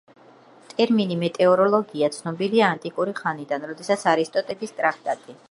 ტერმინი მეტეოროლოგია ცნობილია ანტიკური ხანიდან, როდესაც არისტოტელემ შექმნა ამ სახელწოდების ტრაქტატი.